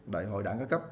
đại hội đảng ca cấp